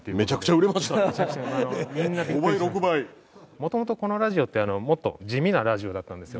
元々このラジオってもっと地味なラジオだったんですよ。